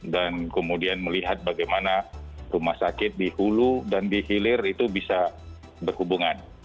dan kemudian melihat bagaimana rumah sakit dihulu dan dihilir itu bisa berhubungan